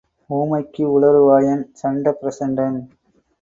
ஊமைக்கு உளறு வாயன் சண்டப் பிரசண்டன்.